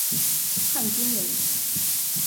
汉军人。